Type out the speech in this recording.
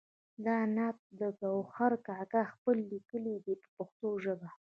دا نعت د ګوهر کاکا خیل لیکلی دی په پښتو ژبه.